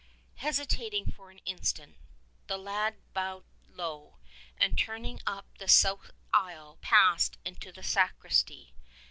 70 Hesitating' for an instant, the lad bowed low, and turning up the south aisle passed into the sacristy.